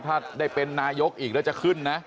ถ้าได้เป็นนายกรัฐบาลอีกเดี๋ยวจะขึ้นนะ